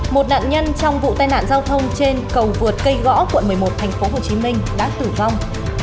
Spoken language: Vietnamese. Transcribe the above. một nạn nhân trong vụ tai nạn giao thông trên cầu vượt cây gõ quận một mươi một tp hcm đã tử vong